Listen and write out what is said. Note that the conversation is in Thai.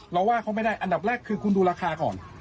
ว่าเขาไม่ได้อันดับแรกคือคุณดูราคาก่อน